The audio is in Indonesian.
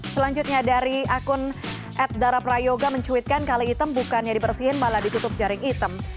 selanjutnya dari akun ad darap prayoga mencuitkan kali hitam bukannya dibersihin malah ditutup jaring hitam